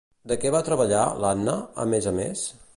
De què va treballar, l'Anna, a més a més?